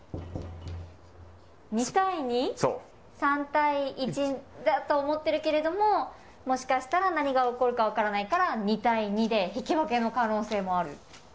３対１だと思っているけれどももしかしたら何が起こるか分からないから引き分けの可能性がある。